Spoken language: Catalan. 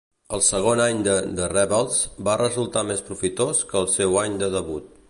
El segon any de The Rebels va resultar més profitós que el seu any de debut.